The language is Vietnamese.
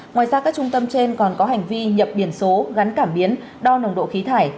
ngoài ra các trung tâm trên còn có hành vi nhập biển số gắn cảm biến đo nồng độ khí thải